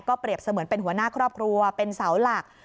เปรียบเสมือนเป็นหัวหน้าครอบครัวเป็นเสาหลัก